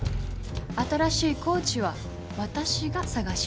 新しいコーチは私が探します。